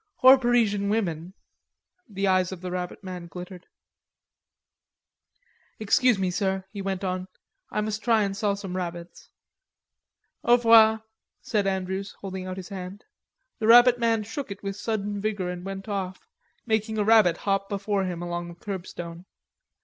"Or Parisian women." The eyes of the rabbit man glittered. "Excuse me, sir," he went on. "I must try and sell some rabbits." "Au revoir," said Andrews holding out his hand. The rabbit man shook it with sudden vigor and went off, making a rabbit hop before him along the curbstone.